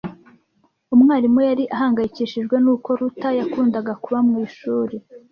Umwarimu yari ahangayikishijwe nuko Ruta yakundaga kuba mu ishuri.